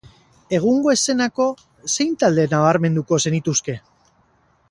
Egungo eszenako zein talde nabarmenduko zenituzke?